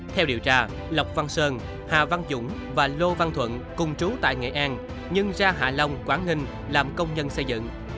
theo điều tra lọc văn sơn hà văn dũng và lô văn thuận cùng trú tại nghệ an nhưng ra hạ long quảng ninh làm công nhân xây dựng